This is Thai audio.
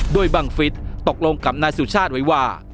โดยบังฟิศตกลงกับนายสุชาติไว้ว่า